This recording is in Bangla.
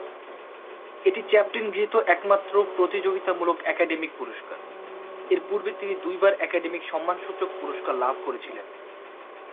এটি চ্যাপলিন গৃহীত একমাত্র প্রতিযোগিতামূলক একাডেমি পুরস্কার, এর পূর্বে তিনি দুইবার একাডেমি সম্মানসূচক পুরস্কার লাভ করেছিলেন।